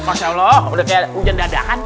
masya allah udah kayak hujan dada kan